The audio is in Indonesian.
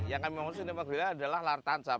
yang kami maksud sinema agrelia adalah layar tancap